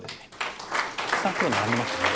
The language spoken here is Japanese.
たくさん黒並んでますよね。